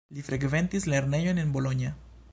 Li frekventis lernejon en Bologna.